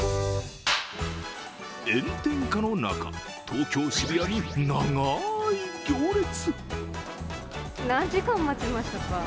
炎天下の中、東京・渋谷に長い行列。